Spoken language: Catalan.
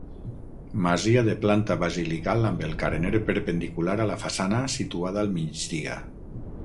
Masia de planta basilical amb el carener perpendicular a la façana situada al migdia.